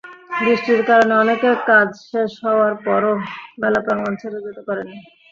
বৃষ্টির কারণে অনেকে কাজ শেষ হওয়ার পরও মেলা প্রাঙ্গণ ছেড়ে যেতে পারেননি।